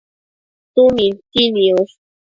tsumintsi niosh